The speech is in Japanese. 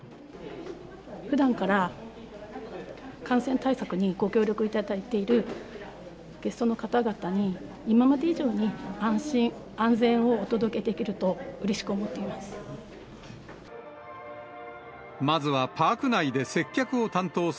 ふだんから感染対策にご協力いただいているゲストの方々に、今まで以上に安心安全をお届けできると、うれしく思っています。